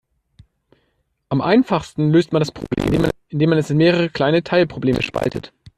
Am einfachsten löst man das Problem, indem man es in mehrere kleine Teilprobleme spaltet.